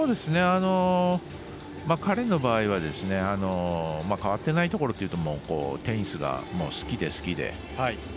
彼の場合は変わってないところはテニスが好きで好きで。